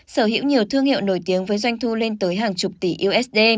sở hữu nhiều thương hiệu nổi tiếng với doanh thu lên tới hàng chục tỷ usd